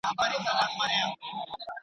پلار له يوسف عليه السلام سره زياته مينه لرله.